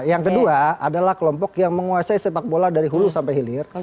yang kedua adalah kelompok yang menguasai sepak bola dari hulu sampai hilir